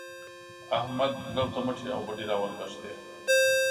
احمد لو ته مټې او بډې راونغښتې.